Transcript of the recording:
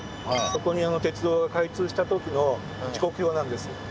そこに鉄道が開通したときの時刻表なんです。